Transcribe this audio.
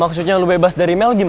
maksudnya lo bebas dari mel gimana